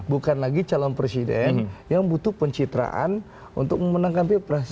bukan lagi calon presiden yang butuh pencitraan untuk memenangkan pilpres